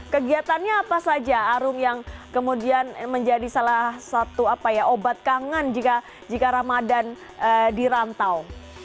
kegiatannya apa saja arum yang kemudian menjadi salah satu obat kangen jika ramadan dirantau